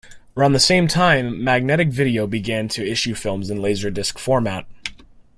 Around the same time, Magnetic Video began to issue films in laserdisc format.